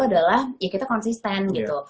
adalah ya kita konsisten gitu